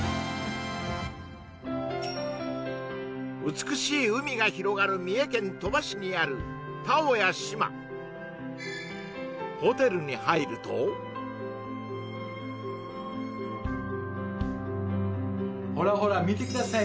美しい海が広がる三重県鳥羽市にあるほらほら見てください